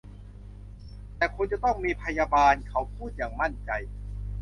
แต่คุณจะต้องมีพยาบาล เขาพูดอย่างมั่นใจ